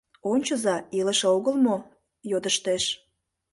— Ончыза, илыше огыл мо? — йодыштеш.